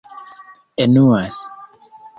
enuas